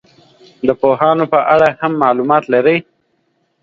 د پوهانو په اړه هم معلومات لري.